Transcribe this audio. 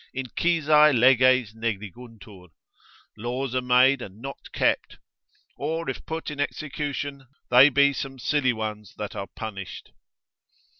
Incisae leges negliguntur, laws are made and not kept; or if put in execution, they be some silly ones that are punished.